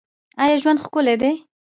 آیا ژوند ښکلی دی؟